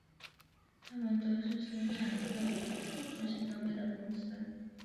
它们都是生产各种军事装备的公司。